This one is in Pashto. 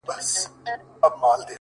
بيا به يې خپه اشـــــــــــــنا!